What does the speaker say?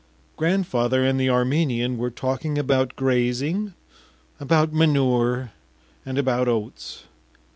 Grandfather and the Armenian were talking about grazing, about manure, and about oats....